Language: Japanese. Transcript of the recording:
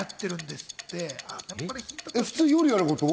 普通、夜やること？